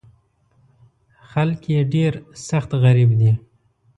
خلک یې ډېر سخت غریب دي.